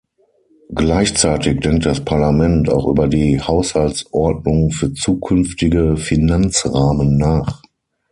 Gleichzeitig denkt das Parlament auch über die Haushaltsordnung für zukünftige Finanzrahmen nach.